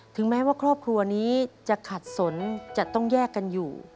แม้ว่าครอบครัวนี้จะขัดสนจะต้องแยกกันอยู่